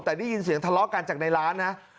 แต่ได้ยินเสียงทะเลาะกันจากในร้านนะ